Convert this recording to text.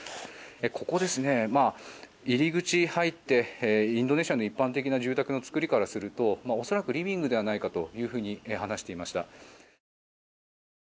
ここは入り口を入ってインドネシアの一般的な住宅のつくりからすると恐らくリビングではないかというふうに話していました。